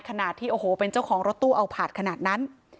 ขนาดที่โอ้โหเป็นเจ้าของรถตู้เอาผาดขนาดนั้น